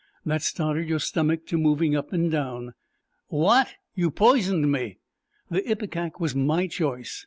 That started your stomach to moving up and down." "What? You poisoned me?" "The ipecac was my choice.